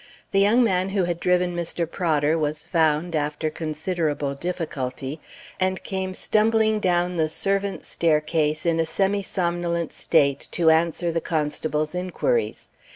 The young man who had driven Mr. Prodder was found after considerable difficulty, and came stumbling down the servants' staircase in a semi somnolent state to answer the constable's inquiries.